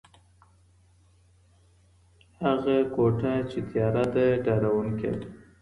هغه کوټه چي تياره ده ډارونکي ده.